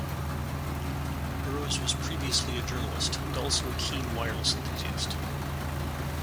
Burrows was previously a journalist and also a keen wireless enthusiast.